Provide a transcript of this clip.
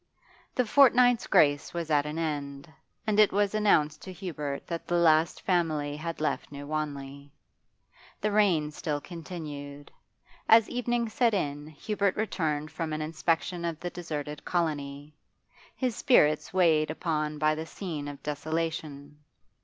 The fortnight's grace was at an end, and it was announced to Hubert that the last family had left New Wanley. The rain still continued; as evening set in Hubert returned from an inspection of the deserted colony, his spirits weighed upon by the scene of desolation.